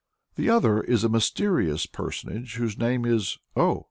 The other is a mysterious personage whose name is "Oh!"